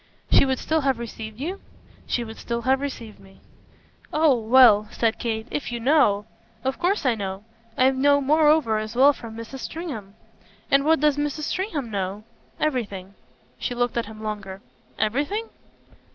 "She would still have received you?" "She would still have received me." "Oh well," said Kate, "if you know !" "Of course I know. I know moreover as well from Mrs. Stringham." "And what does Mrs. Stringham know?" "Everything." She looked at him longer. "Everything?"